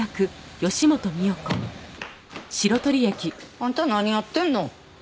あんた何やってんの？